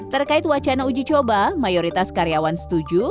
terkait wacana uji coba mayoritas karyawan setuju